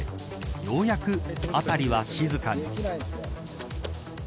ようやく辺りは静かに。